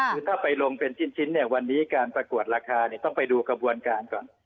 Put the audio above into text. คือถ้าไปลงเป็นชิ้นเนี่ยวันนี้การประกวดราคาเนี่ยต้องไปดูกระบวนการก่อน